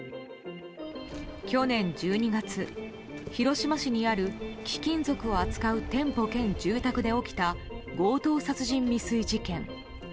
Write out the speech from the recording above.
去年１２月、広島市にある貴金属を扱う店舗兼住宅で起きた強盗殺人未遂事件。